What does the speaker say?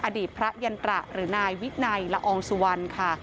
อดีตพระยันตระหรือนายวินัยละอองสุวรรณค่ะ